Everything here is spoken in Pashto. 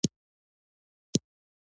نحوه د پوهېدو لار ده.